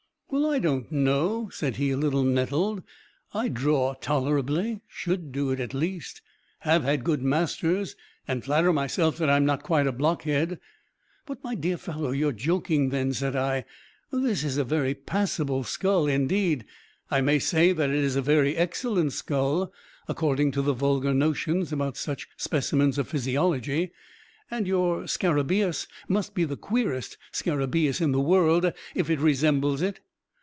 "Well, I don't know," said he, a little nettled, "I draw tolerably should do it at least have had good masters, and flatter myself that I am not quite a blockhead." "But, my dear fellow, you are joking, then," said I; "this is a very passable skull indeed, I may say that it is a very excellent skull, according to the vulgar notions about such specimens of physiology and your scarabaeus must be the queerest scarabaeus in the world if it resembles it.